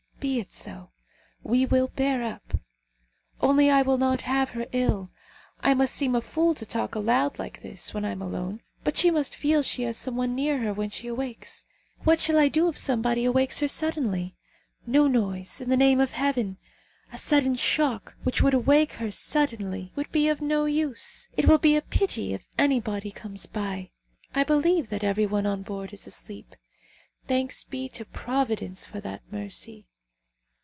Be it so. We will bear up. Only I will not have her ill. I must seem a fool to talk aloud like this, when I am alone; but she must feel she has some one near her when she awakes. What shall I do if somebody awakes her suddenly! No noise, in the name of Heaven! A sudden shock which would awake her suddenly would be of no use. It will be a pity if anybody comes by. I believe that every one on board is asleep. Thanks be to Providence for that mercy.